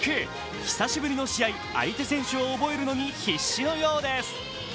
久しぶりの試合、相手選手を覚えるのに必死のようです。